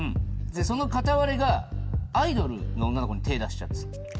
その片割れがアイドルの女の子に手を出しちゃって。